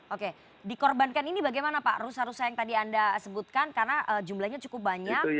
oke dikorbankan ini bagaimana pak rusa rusa yang tadi anda sebutkan karena jumlahnya cukup banyak